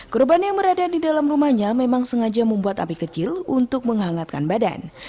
korban yang berada di dalam rumahnya memang sengaja membuat api kecil untuk menghangatkan badan